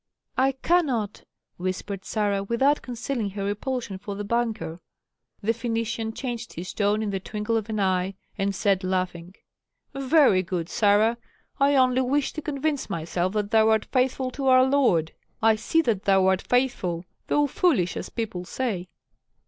"I cannot!" whispered Sarah, without concealing her repulsion for the banker. The Phœnician changed his tone in the twinkle of an eye, and said laughing, "Very good, Sarah! I only wished to convince myself that thou art faithful to our lord. I see that thou art faithful, though foolish, as people say."